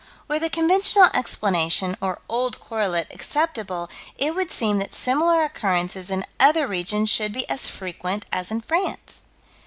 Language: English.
Were the conventional explanation, or "old correlate" acceptable, it would seem that similar occurrences in other regions should be as frequent as in France.